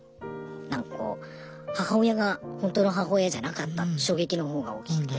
なんかこう母親がほんとの母親じゃなかった衝撃の方が大きくて。